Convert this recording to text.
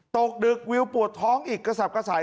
ตกดึกวิวปวดท้องอีกกระสับกระส่าย